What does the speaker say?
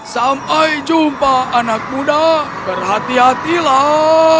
sampai jumpa anak muda berhati hatilah